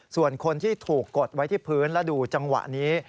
ส่วนคนที่ถูกกดไว้ที่พื้นและดูจังหวะนี้